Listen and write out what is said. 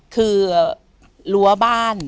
คือรั้วบ้าน